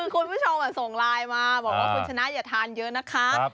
คุณผู้ชมส่งไลน์มาบอกว่าคุณชนะอย่าทานเยอะนะคะ